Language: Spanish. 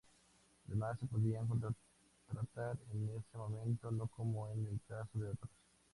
Además, se podían contratar en ese momento, no como en el caso de otros.